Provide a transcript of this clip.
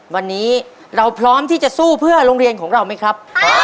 วันนี้เราพร้อมที่จะสู้เพื่อโรงเรียนของเราไหมครับ